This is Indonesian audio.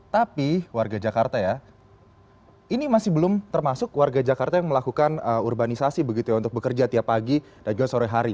tapi warga jakarta ya ini masih belum termasuk warga jakarta yang melakukan urbanisasi begitu ya untuk bekerja tiap pagi dan juga sore hari